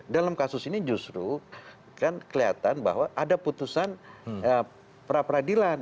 dalam kasus ini justru kan kelihatan bahwa ada putusan pra peradilan